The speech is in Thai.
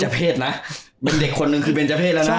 เป็นเด็กคนหนึ่งคือเป็นเจ้าเพศละนะ